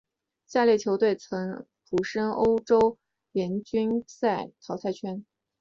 下列球队曾晋身欧洲冠军联赛淘汰圈。